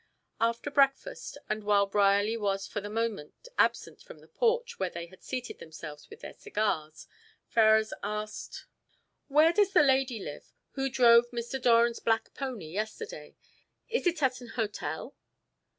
After breakfast, and while Brierly was for the moment absent from the porch where they had seated themselves with their cigars, Ferrars asked "Where does the lady live who drove Mr. Doran's black pony yesterday. Is it at an hotel?"